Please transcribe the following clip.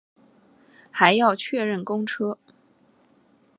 还要确认公车